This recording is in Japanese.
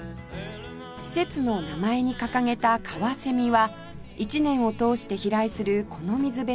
施設の名前に掲げたカワセミは１年を通して飛来するこの水辺の主役です